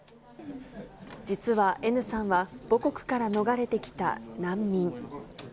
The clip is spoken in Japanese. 実はＮさんは、母国から逃れてきた難民。